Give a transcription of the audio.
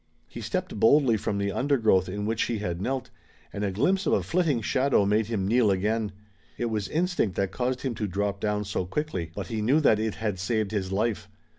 He stepped boldly from the undergrowth in which he had knelt, and a glimpse of a flitting shadow made him kneel again. It was instinct that caused him to drop down so quickly, but he knew that it had saved his life.